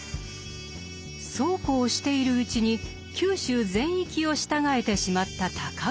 そうこうしているうちに九州全域を従えてしまった尊氏。